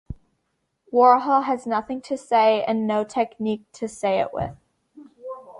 Warhol has nothing to say and no technique to say it with.